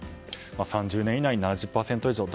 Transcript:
３０年以内に７０％以上と。